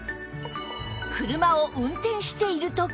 車を運転している時